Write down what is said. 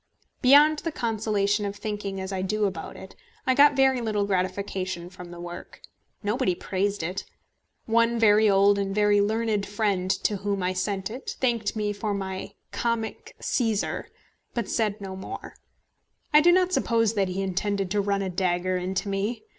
Beyond the consolation of thinking as I do about it, I got very little gratification from the work. Nobody praised it. One very old and very learned friend to whom I sent it thanked me for my "comic Cæsar," but said no more. I do not suppose that he intended to run a dagger into me.